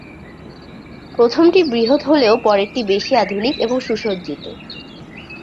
প্রথমটি বৃহৎ হলেও পরেরটি বেশি আধুনিক এবং সুসজ্জিত।